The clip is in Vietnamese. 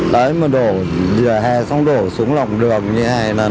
đấy mà đổ vỉa hè xong đổ xuống lòng đường như thế này